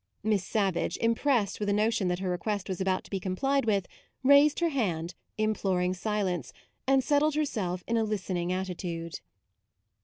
Miss Savage, impressed with a no tion that her request was about to be complied with, raised her hand, im ploring silence, and settled herself in a listening attitude.